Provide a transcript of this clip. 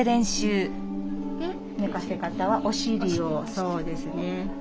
寝かせ方はお尻をそうですね。